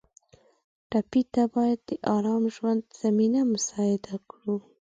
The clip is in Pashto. ټپي ته باید د ارام ژوند زمینه مساعده کړو.